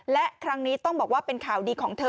และครั้งนี้ต้องบอกว่าเป็นข่าวดีของเธอ